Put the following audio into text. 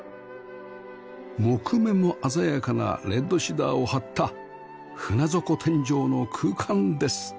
木目も鮮やかなレッドシダーを張った船底天井の空間です